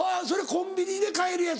コンビニで買えるやつ？